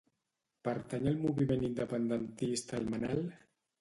Pertany al moviment independentista el Manel?